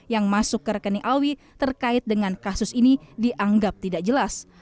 yang masuk ke rekening awi terkait dengan kasus ini dianggap tidak jelas